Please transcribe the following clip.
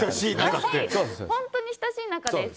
本当に親しい仲です。